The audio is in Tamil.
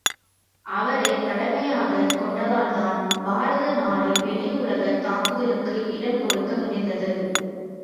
அவரைத் தலைமையாகக் கொண்டதால்தான் பாரத நாடு வெளியுலகத் தாக்குதலுக்கு இடம் கொடுக்க முடிந்தது.